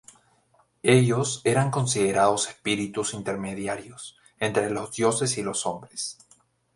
Ellos eran considerados espíritus intermediarios entre los dioses y los hombres.